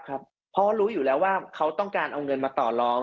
เพราะรู้อยู่แล้วว่าเขาต้องการเอาเงินมาต่อรอง